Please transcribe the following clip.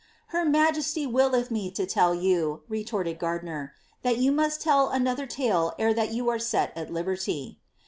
^ Her majesty willeth me to tell you, retorted Gardiner, ^ that yon must tell another tale ere that you are set at liberty."